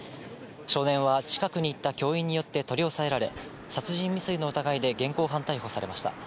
少年は、近くにいた教員によって取り押さえられ、殺人未遂の疑いで現行犯逮捕されました。